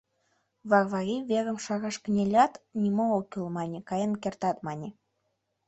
Варвари верым шараш кынелят, «Нимо ок кӱл, — мане, — каен кертат, — мане.